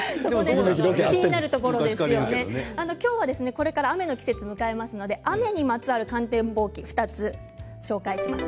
これから雨の季節を迎えますので、雨にまつわる観天望気を２つご紹介します。